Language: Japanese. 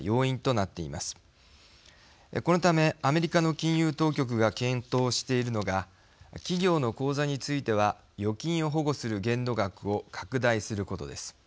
このためアメリカの金融当局が検討しているのが企業の口座については預金を保護する限度額を拡大することです。